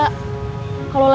kalau lagi berhenti